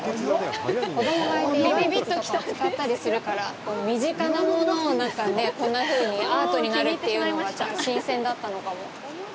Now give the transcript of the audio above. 子供がいて、色鉛筆とかを使ったりするから身近なものを、こんなふうにアートになるっていうのがちょっと新鮮だったのかも。